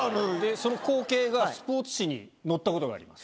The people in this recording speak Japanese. その光景が、スポーツ紙に載ったことがあります。